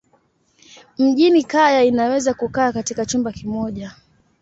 Mjini kaya inaweza kukaa katika chumba kimoja.